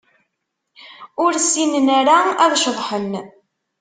Ur ssinen ara ad ceḍḥen.